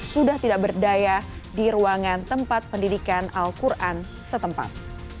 sudah tidak berdaya di ruangan tempat pendidikan al quran setempat